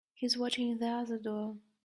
He's watching the other door.